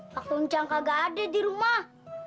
pak tuncang kagak ada di rumah